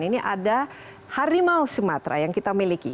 ini ada harimau sumatera yang kita miliki